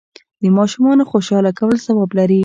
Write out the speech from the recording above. د ماشومانو خوشحاله کول ثواب لري.